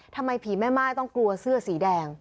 ทำไมผีแม่ม่ายต้องกลัวเสื้อสีแดง